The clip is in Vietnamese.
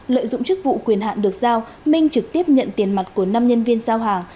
lợi dụng chức vụ quyền hạn được giao minh trực tiếp nhận tiền mặt của năm nhân viên giao hàng